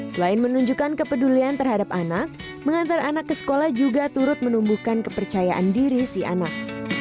selain menunjukkan kepedulian terhadap anak mengantar anak ke sekolah juga turut menumbuhkan kepercayaan diri si anak